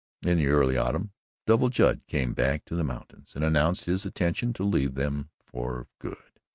In the early autumn, Devil Judd came back to the mountains and announced his intention to leave them for good.